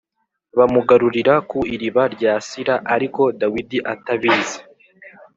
bamugarurira ku iriba rya Sira ariko Dawidi atabizi.